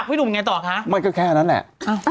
พี่หนุ่มหังไงต่อกันฮะไม่ก็แค่อันนั้นแหละ